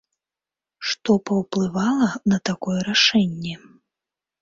Што паўплывала на такое рашэнне?